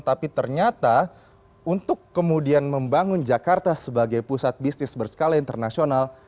tapi ternyata untuk kemudian membangun jakarta sebagai pusat bisnis berskala internasional